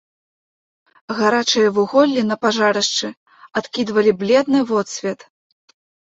Гарачыя вуголлі на пажарышчы адкідвалі бледны водсвет.